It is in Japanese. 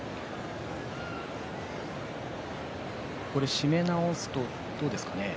締め直すとどうですかね